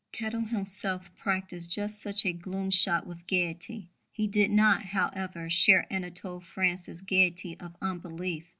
Kettle himself practised just such a gloom shot with gaiety. He did not, however, share Anatole France's gaiety of unbelief.